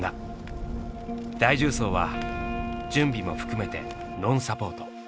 大縦走は準備も含めてノンサポート。